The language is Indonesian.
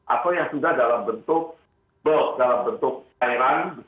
atau yang sudah dalam bentuk bulk dalam bentuk cairan